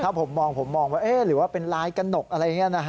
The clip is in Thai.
ถ้าผมมองผมมองว่าหรือว่าเป็นลายกระหนกอะไรอย่างนี้